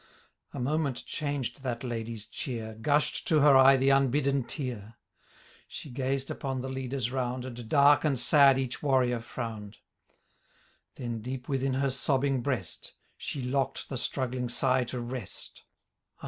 A moment changed that Ladye^ cheer. Gushed to her eye the unbidden tear ; She gazed upon the leaden round. And dark and sad each warrior frowned ; Then, deep within her sobbing breast She locked the struggling sigh to rest ; 1 An asylum for outlaws.